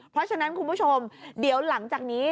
เพราะฉะนั้นคุณผู้ชมเดี๋ยวหลังจากนี้